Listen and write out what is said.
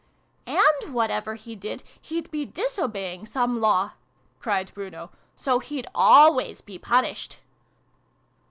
" And, whatever he did, he'd be ^obeying some Law !" cried Bruno. " So he'd always be punished